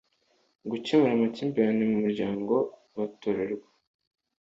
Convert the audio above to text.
gukemura amakimbirane mu muryango Batorerwa